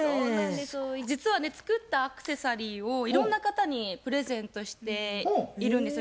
実はね作ったアクセサリーをいろんな方にプレゼントしているんですよ。